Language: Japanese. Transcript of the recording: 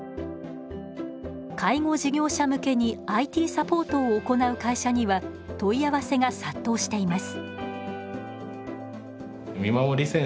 介護事業者向けにＩＴサポートを行う会社には問い合わせが殺到しています。